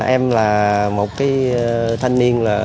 em là một cái thanh niên